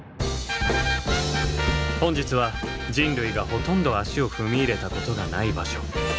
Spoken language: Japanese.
本日は人類がほとんど足を踏み入れたことがない場所